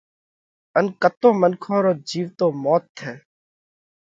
ان ڪتون منکون رو جيوتو موت ٿئھ۔